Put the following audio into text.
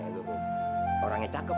orangnya cakep imannya cakep